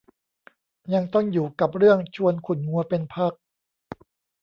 ยังต้องอยู่กับเรื่องชวนขุ่นมัวเป็นพัก